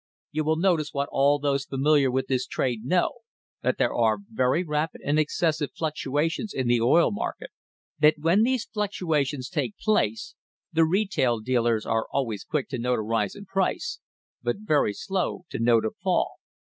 You will notice what all those familiar with this trade know, that there are very rapid and excessive fluctuations in the oil market; that when these fluctuations take place the retail dealers are always quick to note a rise in price, but very slow to note a fall.